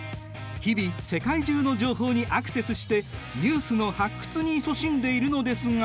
日々世界中の情報にアクセスしてニュースの発掘にいそしんでいるのですが。